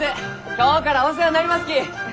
今日からお世話になりますき！